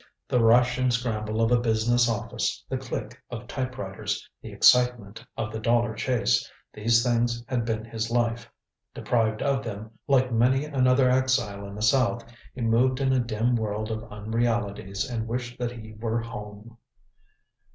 The rush and scramble of a business office, the click of typewriters, the excitement of the dollar chase these things had been his life. Deprived of them, like many another exile in the South, he moved in a dim world of unrealities and wished that he were home.